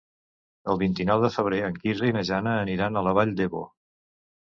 El vint-i-nou de febrer en Quirze i na Jana aniran a la Vall d'Ebo.